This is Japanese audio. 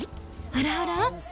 あらあら？